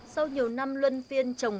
sau nhiều năm luân phiên trồng